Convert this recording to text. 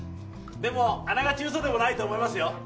でもあながち嘘でもないと思いますよ。